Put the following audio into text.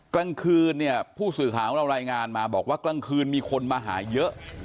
กลางคืนเนี่ยผู้สื่อข่าวของเรารายงานมาบอกว่ากลางคืนมีคนมาหาเยอะ